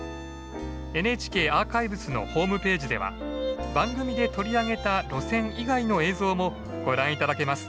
ＮＨＫアーカイブスのホームページでは番組で取り上げた路線以外の映像もご覧頂けます。